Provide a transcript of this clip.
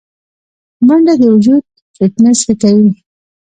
منډه د وجود فټنس ښه کوي